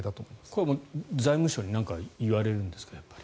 これは財務省に何か言われるんですか？